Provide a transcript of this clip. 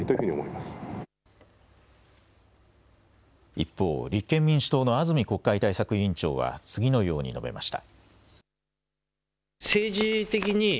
一方、立憲民主党の安住国会対策委員長は次のように述べました。